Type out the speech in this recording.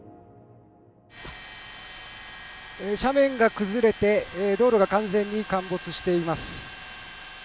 斜面が崩れて道路が完全に陥没しています。